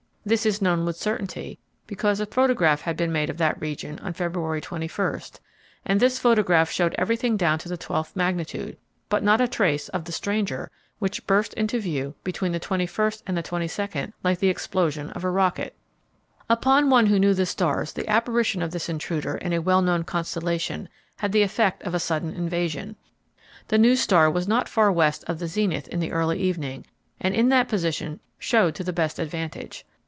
This is known with certainty because a photograph had been made of that very region on February 21, and this photograph showed everything down to the twelfth magnitude, but not a trace of the stranger which burst into view between the 21st and the 22nd like the explosion of a rocket. Upon one who knew the stars the apparition of this intruder in a well known constellation had the effect of a sudden invasion. The new star was not far west of the zenith in the early evening, and in that position showed to the best advantage.